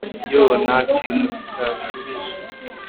Yoo ntakintu kitashubije